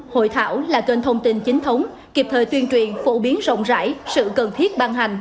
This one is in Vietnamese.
hội thảo là kênh thông tin chính thống kịp thời tuyên truyền phổ biến rộng rãi sự cần thiết ban hành